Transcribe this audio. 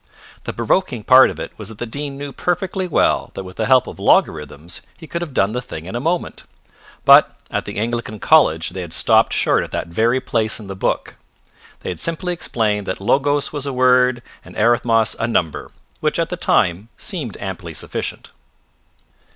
The provoking part of it was that the Dean knew perfectly well that with the help of logarithms he could have done the thing in a moment. But at the Anglican college they had stopped short at that very place in the book. They had simply explained that Logos was a word and Arithmos a number, which at the time, seemed amply sufficient.